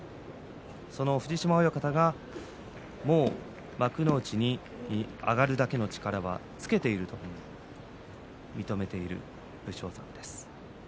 その親方がもう幕内に上がるだけの力をつけていると認めています。